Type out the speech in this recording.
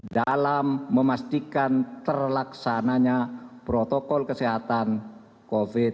dalam memastikan terlaksananya protokol kesehatan covid sembilan belas